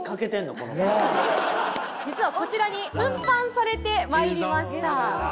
実はこちらに運搬されてまいりました。